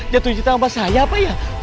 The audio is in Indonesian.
jatuh cinta sama saya apa ya